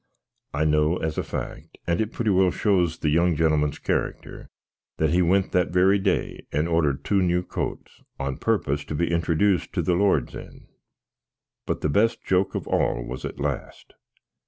I know as a fac (and it pretty well shows the young genlmn's carryter), that he went that very day and ordered 2 new coats, on propos to be introjuiced to the lords in. But the best joak of all was at last.